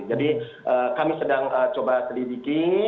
jadi kami sedang coba selidiki